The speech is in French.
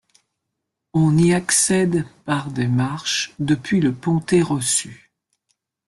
On y accède par de marche depuis le Ponte Rossu.